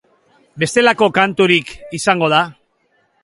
Bestelako kanturik izango da?